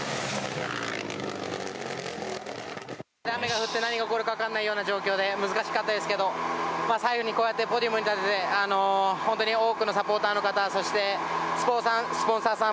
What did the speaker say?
雨が降って何が起こるかわからないような状況で難しかったですけど最後にこうやって本当に多くのサポーターの方スポンサー様